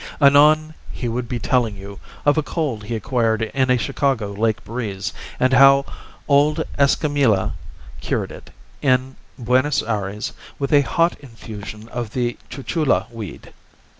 Anon he would be telling you of a cold he acquired in a Chicago lake breeze and how old Escamila cured it in Buenos Ayres with a hot infusion of the chuchula weed.